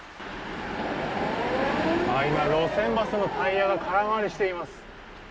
今、路線バスのタイヤが空回りしています。